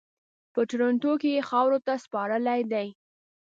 په ټورنټو کې یې خاورو ته سپارلی دی.